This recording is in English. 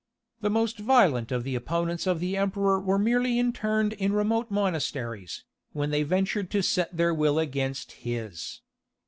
The most violent of the opponents of the Emperor were merely interned in remote monasteries, when they ventured to set their will against his.